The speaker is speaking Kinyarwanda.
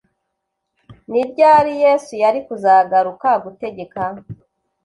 Ni ryari Yesu yari kuzagaruka gutegeka